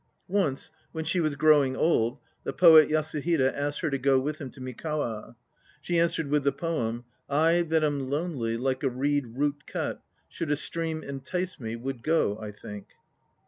Once, when she was growing old, the poet Yasuhide asked her to go with him to Mikawa. She answered with the poem: "I that am lonely, Like a reed root cut, Should a stream entice me, Would go, I think."